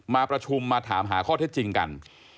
มาประชุมมาถามหาข้อเท็จจริงกัน